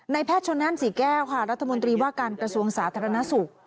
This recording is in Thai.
แพทย์ชนนั่นศรีแก้วค่ะรัฐมนตรีว่าการกระทรวงสาธารณสุข